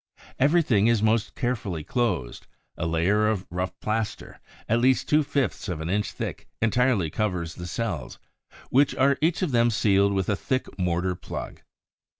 Everything is most carefully closed: a layer of rough plaster, at least two fifths of an inch thick, entirely covers the cells, which are each of them sealed with a thick mortar plug.